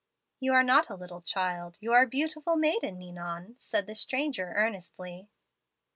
"'You are not a little child; you are a beautiful maiden, Ninon,' said the stranger, earnestly.